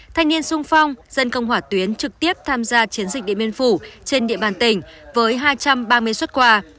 thanh niên sung phong dân công hỏa tuyến trực tiếp tham gia chiến dịch điện biên phủ trên địa bàn tỉnh với hai trăm ba mươi xuất quà